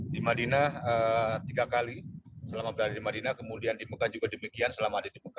di madinah tiga kali selama berada di madinah kemudian di mekah juga demikian selama ada di muka